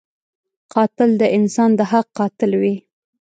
قاتل د انسان د حق قاتل وي